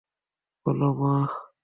বল, মা!